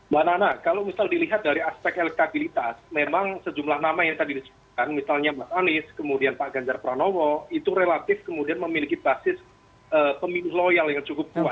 mbak nana kalau misal dilihat dari aspek elektabilitas memang sejumlah nama yang tadi disebutkan misalnya mas anies kemudian pak ganjar pranowo itu relatif kemudian memiliki basis pemilih loyal yang cukup kuat